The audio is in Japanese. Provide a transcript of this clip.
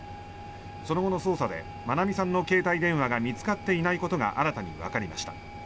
その後の捜査で愛美さんの携帯電話が見つかっていないことが新たにわかりました。